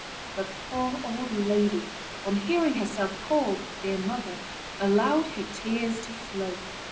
The poor old lady, on hearing herself called "dear mother," allowed her tears to flow.